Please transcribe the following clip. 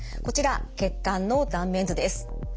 こちら血管の断面図です。